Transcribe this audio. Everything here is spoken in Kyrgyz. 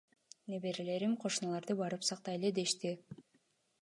Неберелерим кошуналарды барып сактайлы дешти.